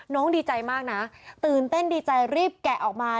ดีใจมากนะตื่นเต้นดีใจรีบแกะออกมา